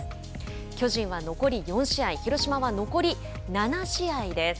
巨人は残り４試合広島は残り７試合です。